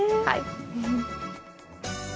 はい。